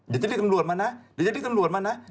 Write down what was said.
อย่าทิ้งทำรวจมานะอย่าทิ้งทำรวจมานะ